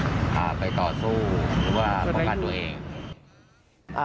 จะต้องผ่าไปต่อสู้หรือว่าป้องกันตัวเอง